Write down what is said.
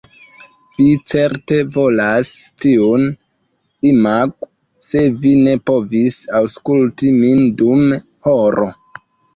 Vi certe volas tiun. Imagu se vi ne povis aŭskulti min dum horo!